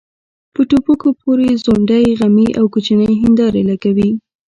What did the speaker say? په ټوپکو پورې ځونډۍ غمي او کوچنۍ هيندارې لګوي.